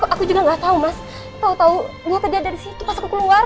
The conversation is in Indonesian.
aku juga gak tau mas tau tau gua kejadian dari situ pas aku keluar